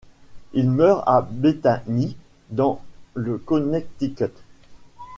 Il meurt à Bethany dans le Connecticut.